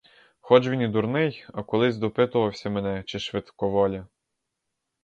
Хоч він і дурний, а колись допитувався мене, чи швидко воля.